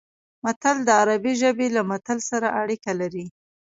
متل د عربي ژبې له مثل سره اړیکه لري